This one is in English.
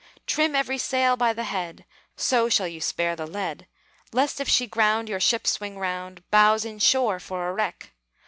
"Trim every sail by the head (So shall you spare the lead), Lest if she ground, your ship swing round, Bows in shore, for a wreck.